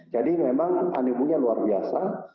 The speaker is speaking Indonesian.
jadi memang animunya luar biasa